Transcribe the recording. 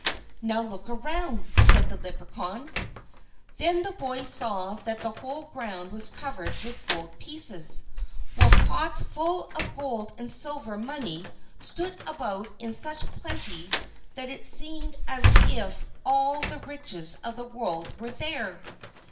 "Now look around," said the Leprechaun. Then the boy saw that the whole ground was covered with gold pieces, while pots full of gold and silver money stood about in such plenty that it seemed as if all the riches of the world were there.